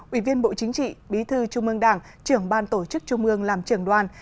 ủy viên bộ chính trị bí thư trung ương đảng trưởng ban tổ chức trung ương làm trưởng đoàn